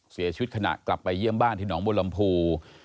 เสียชีวิตขณะกลับไปเยี่ยมบ้านที่หนองบลำพู